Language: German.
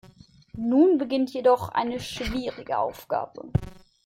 Nun beginnt jedoch eine schwierige Aufgabe.